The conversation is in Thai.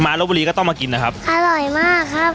รบบุรีก็ต้องมากินนะครับอร่อยมากครับ